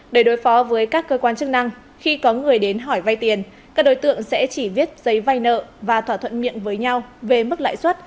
để đối phó với các cơ quan chức năng khi có người đến hỏi vay tiền các đối tượng sẽ chỉ viết giấy vay nợ và thỏa thuận miệng với nhau về mức lãi suất